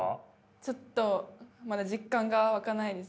ちょっとまだ実感が湧かないです。